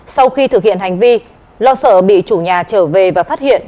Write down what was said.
sau khi thực hiện hành vi lo sợ bị chủ nhà trở về và phát hiện